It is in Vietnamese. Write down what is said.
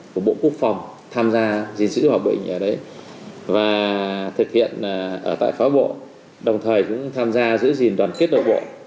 của bộ quốc phòng tham gia giữ hòa bình và thực hiện ở tại phó bộ đồng thời cũng tham gia giữ gìn đoàn kết nội bộ